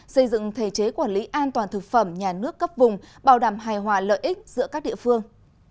xây dựng thể chế quản lý an toàn thực phẩm nhà nước cấp vùng bảo đảm hài hòa lợi ích giữa các địa phương